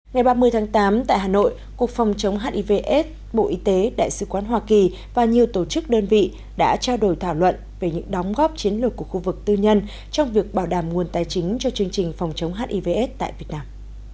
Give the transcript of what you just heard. ngày ba mươi tháng tám tại hà nội cục phòng chống hiv aids bộ y tế đại sứ quán hoa kỳ và nhiều tổ chức đơn vị đã trao đổi thảo luận về những đóng góp chiến lược của khu vực tư nhân trong việc bảo đảm nguồn tài chính cho chương trình phòng chống hiv aids tại việt nam